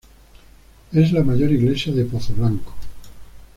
Es la mayor Iglesia de Pozoblanco.